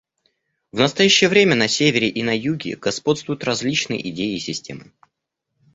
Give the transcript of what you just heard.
В настоящее время на Севере и на Юге господствуют различные идеи и системы.